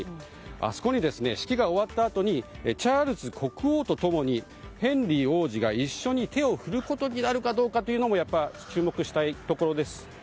あそこに式が終わったあとにチャールズ国王と共にヘンリー王子が一緒に手を振ることになるかどうかもやっぱり注目したいところです。